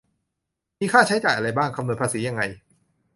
มีค่าใช้จ่ายอะไรบ้าง คำนวณภาษียังไง